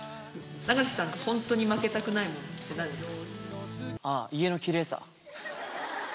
永瀬さんが本当に負けたくなああ、家のきれいさ。